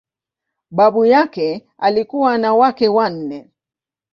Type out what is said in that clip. Baba yake alikuwa na wake wanne.